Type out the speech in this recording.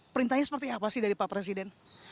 perintahnya seperti apa sih dari pak presiden